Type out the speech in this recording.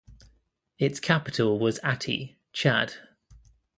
Its capital was Ati, Chad.